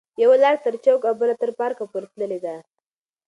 یوه لار تر چوک او بله تر پارک پورې تللې ده.